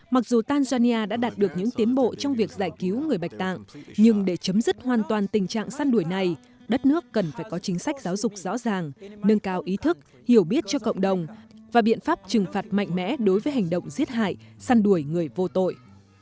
mặc dù tanzania đã đạt được những tiến bộ trong việc giải cứu người bạch tạng nhưng để chấm dứt hoàn toàn tình trạng săn đuổi này đất nước cần phải có chính sách giáo dục rõ ràng nâng cao ý thức hiểu biết cho cộng đồng và biện pháp trừng phạt mạnh mẽ đối với hành động giết hại săn đuổi người vô tội